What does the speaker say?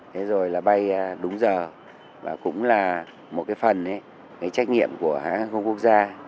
thế rồi là bay đúng giờ và cũng là một cái phần cái trách nhiệm của hãng hàng không quốc gia